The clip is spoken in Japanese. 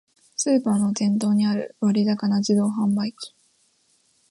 スーパーの店頭にある割高な自動販売機